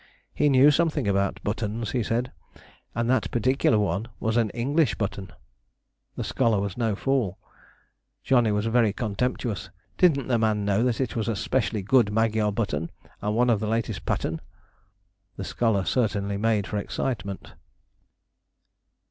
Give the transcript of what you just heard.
He knew something about buttons, he said, and that particular one was an English button. The scholar was no fool! Johnny was very contemptuous, didn't the man know that it was a specially good Magyar button, and one of the latest pattern? The scholar certainly made for excitement.